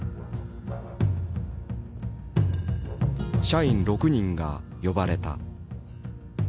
社員６人が呼ばれた。